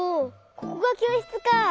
ここがきょうしつか。